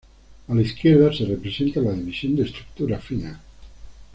A la izquierda, se representa la división de estructura fina.